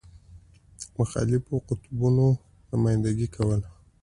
مخالفو قطبونو نمایندګي کوله.